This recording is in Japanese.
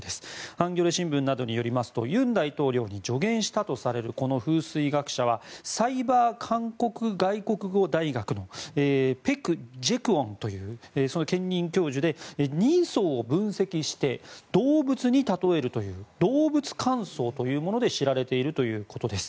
ハンギョレ新聞などによりますと尹大統領に助言したとされるこの風水学者はサイバー韓国外国語大学のペク・ジェクォンという兼任教授で人相を分析して動物に例えるという動物観相というもので知られているということです。